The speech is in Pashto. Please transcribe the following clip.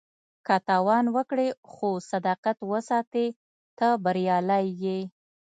که تاوان وکړې خو صداقت وساتې، ته بریالی یې.